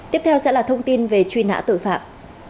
tiếp theo sẽ là thông tin về truy nã tội phạm